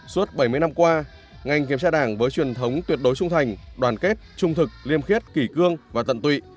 suốt bảy mươi năm qua ngành kiểm tra đảng với truyền thống tuyệt đối trung thành đoàn kết trung thực liêm khiết kỷ cương và tận tụy